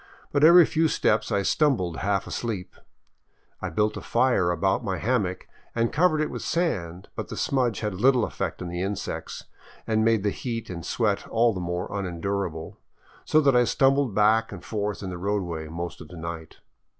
But every few steps I stumbled half asleep. I built a fire about my hammock and covered it with sand, but the smudge had little effect on the insects and made the heat and sweat all the more unendurable, so that I stumbled back and forth in the roadway most of the night.